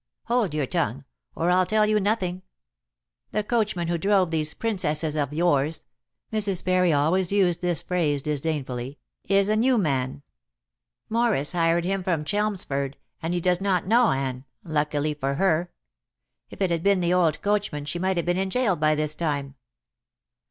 Hold your tongue, or I'll tell you nothing. The coachman who drove these Princesses of yours" Mrs. Parry always used this phrase disdainfully "is a new man. Morris hired him from Chelmsford, and he does not know Anne, luckily for her. If it had been the old coachman she might have been in jail by this time.